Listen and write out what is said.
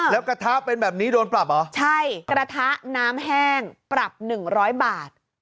แล้วกระทะเป็นแบบนี้โดนปรับเหรอใช่กระทะน้ำแห้งปรับหนึ่งร้อยบาท